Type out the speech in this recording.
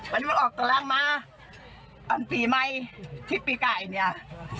วันนี้มันออกกำลังมาอันปีใหม่ที่ปีไก่เนี่ย